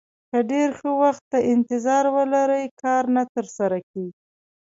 که ډېر ښه وخت ته انتظار ولرئ کار نه ترسره کېږي.